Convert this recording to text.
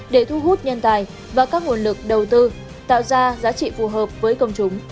để thu hút nhân tài và các nguồn lực đầu tư tạo ra giá trị phù hợp với công chúng